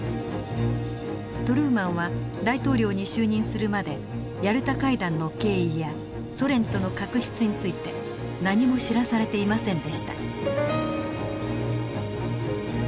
トルーマンは大統領に就任するまでヤルタ会談の経緯やソ連との確執について何も知らされていませんでした。